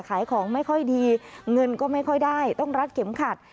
ขายของไม่ค่อยดีเงินก็ไม่ค่อยได้ต้องรัดเข็มขัด